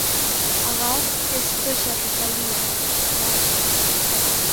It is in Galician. Agás que sexas Rosalía, claro.